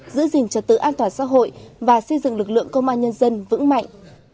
giữ gìn trật tự an toàn xã hội và xây dựng lực lượng công an nhân dân vững mạnh